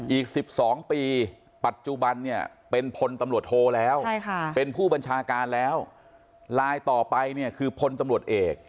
อีก๑๒ปีปัจจุบันเนี่ยเป็นพลตำรวจโทแล้วเป็นผู้บัญชาการแล้วลายต่อไปเนี่ยคือพลตำรวจเอก